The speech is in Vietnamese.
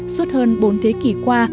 suốt hơn bốn thế kỷ qua